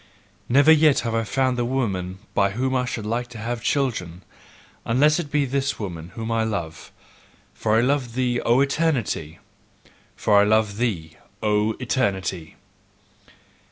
Never yet have I found the woman by whom I should like to have children, unless it be this woman whom I love: for I love thee, O Eternity! FOR I LOVE THEE, O ETERNITY!